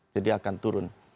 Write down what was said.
jadi akan turun